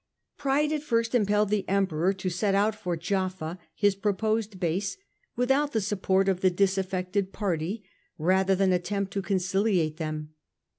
Pride at first impelled the Emperor to set out for Jaffa, his proposed base, without the support of the disaffected party, rather than attempt to conciliate them.